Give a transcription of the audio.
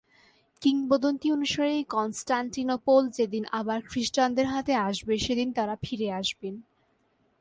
কিংবদন্তি অনুসারে, কনস্টান্টিনোপল যেদিন আবার খ্রিষ্টানদের হাতে আসবে সেদিন তারা ফিরে আসবেন।